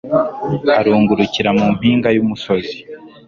urungurukira mu mpinga y'umusozi